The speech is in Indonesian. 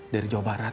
dari jawa barat